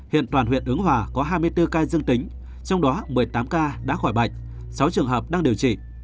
hiện toàn huyện ứng hòa có hai mươi bốn ca dương tính trong đó một mươi tám ca đã khỏi bệnh sáu trường hợp đang điều trị